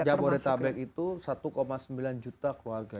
jabodetabek itu satu sembilan juta keluarga